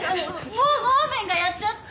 モモーメンがやっちゃって。